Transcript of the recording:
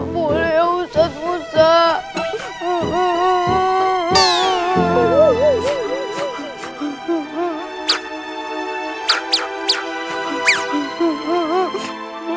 boleh ya ustadz ustadz